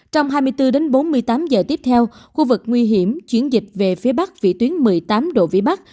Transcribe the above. trong hai mươi bốn đến bốn mươi tám giờ tiếp theo khu vực nguy hiểm chuyển dịch về phía bắc vĩ tuyến một mươi tám độ vĩ bắc